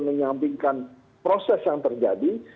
menyampingkan proses yang terjadi